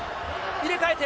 入れ替えて。